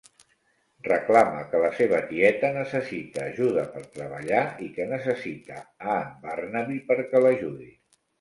Reclama que la seva tieta necessita ajuda per treballar, i que necessita a en Barnaby perquè l'ajudi.